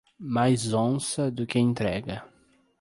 Mais onça do que entrega.